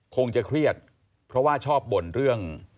คงจะเครียดเพราะว่าชอบบ่นเรื่อง